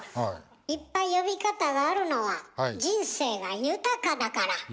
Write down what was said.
いっぱい呼び方があるのは人生が豊かだから！